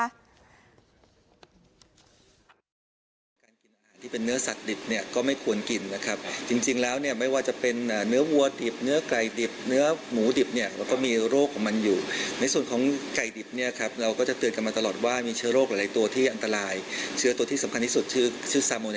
การกินอาหารที่เป็นเนื้อสัตว์ดิบเนี่ยก็ไม่ควรกินนะครับจริงแล้วเนี่ยไม่ว่าจะเป็นเนื้อวัวดิบเนื้อไก่ดิบเนื้อหมูดิบเนี่ยเราก็มีโรคของมันอยู่ในส่วนของไก่ดิบเนี่ยครับเราก็จะเตือนกันมาตลอดว่ามีเชื้อโรคหลายตัวที่อันตรายเชื้อตัวที่สำคัญที่สุดชื่อชื่อซาโมเล